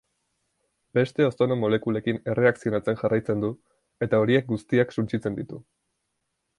Beste ozono-molekulekin erreakzionatzen jarraitzen du, eta horiek guztiak suntsitzen ditu.